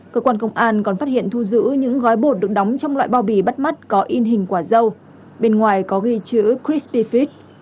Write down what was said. cơ quan công an còn phát hiện thu giữ những gói bột được đóng trong loại bao bì bắt mắt có in hình quả dâu bên ngoài có ghi chữ christpefield